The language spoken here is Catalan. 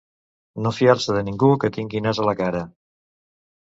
No fiar-se de ningú que tingui nas a la cara.